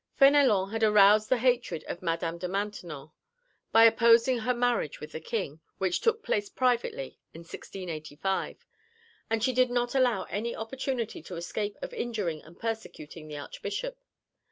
Fénélon had aroused the hatred of Madame de Maintenon by opposing her marriage with the King, which took place privately in 1685, and she did not allow any opportunity to escape of injuring and persecuting the Archbishop.